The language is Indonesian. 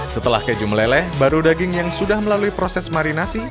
setelah keju meleleh baru daging yang sudah melalui proses marinasi